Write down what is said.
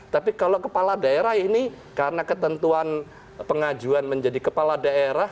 tapi kalau kepala daerah ini karena ketentuan pengajuan menjadi kepala daerah